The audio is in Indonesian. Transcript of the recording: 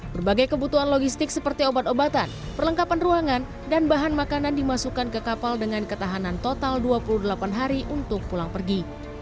berbagai kebutuhan logistik seperti obat obatan perlengkapan ruangan dan bahan makanan dimasukkan ke kapal dengan ketahanan total dua puluh delapan hari untuk pulang pergi